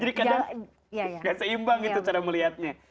jadi kadang gak seimbang cara melihatnya